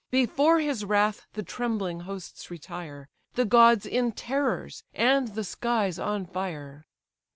Before his wrath the trembling hosts retire; The gods in terrors, and the skies on fire.